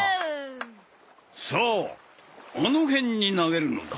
さああの辺に投げるのだ。